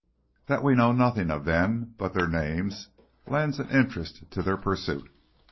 That we know nothing of them but their names lends an interest to their pursuit.